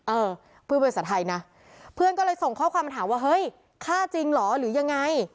เออพูดภาษาไทยนะเพื่อนก็เลยส่งข้อความมาถามว่าเฮ้ยฆ่าจริงเหรอหรือยังไง